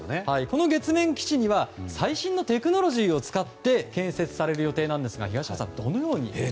この月面基地には最新のテクノロジーを使って建設される予定ですが東山さんどんな？